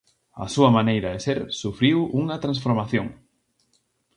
A súa maneira de ser sufriu unha transformación.